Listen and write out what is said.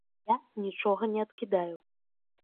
Я нічога не адкідаю.